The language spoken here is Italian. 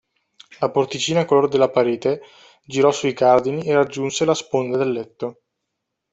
La porticina color della parete girò sui cardini e raggiunse la sponda del letto.